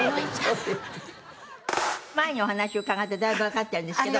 前にお話伺ってだいぶわかってるんですけど。